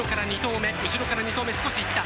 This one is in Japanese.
後ろから２頭目、少し行った。